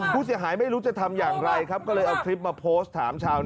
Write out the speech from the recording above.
ผู้เสียหายไม่รู้จะทำอย่างไรครับก็เลยเอาคลิปมาโพสต์ถามชาวนา